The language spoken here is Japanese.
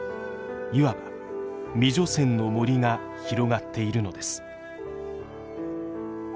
いわば未除染の森が広がっているのです。